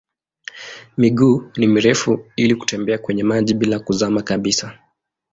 Miguu ni mirefu ili kutembea kwenye maji bila kuzama kabisa.